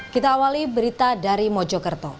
kita awali berita dari mojokerto